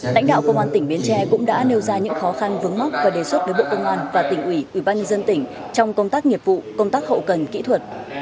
đãnh đạo công an tỉnh biến tre cũng đã nêu ra những khó khăn vướng móc và đề xuất đối bộ công an và tỉnh ủy ubnd tỉnh trong công tác nghiệp vụ công tác hậu cần kỹ thuật